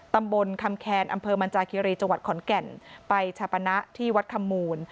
ตำบลคำแคนอำเภอมันจาคิรีจังหวัดขอนแก่นไปชาปณะที่วัดคำมูล